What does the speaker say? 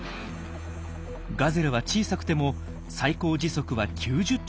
ガゼルは小さくても最高時速は９０キロに達します。